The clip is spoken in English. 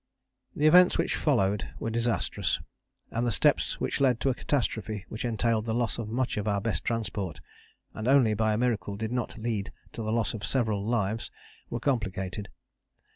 The events which followed were disastrous, and the steps which led to a catastrophe which entailed the loss of much of our best transport, and only by a miracle did not lead to the loss of several lives, were complicated.